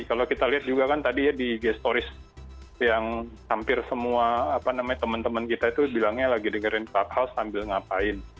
kalau kita lihat juga kan tadi ya di gestoris yang hampir semua apa namanya teman teman kita itu bilangnya lagi dengerin clubhouse sambil ngapain